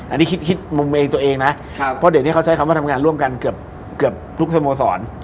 อันนี้คิดมุมเองตัวเองนะเพราะเดี๋ยวนี้เขาใช้คำว่าทำงานร่วมกันเกือบทุกสโมสร